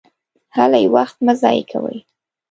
هلئ! وخت مه ضایع کوئ!